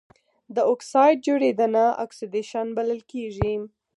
د اکسايډ جوړیدنه اکسیدیشن بلل کیږي.